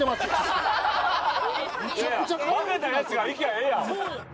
負けたやつが行きゃええやん。